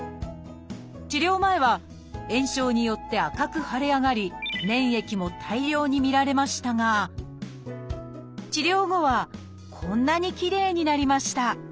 治療前は炎症によって赤く腫れ上がり粘液も大量に見られましたが治療後はこんなにきれいになりました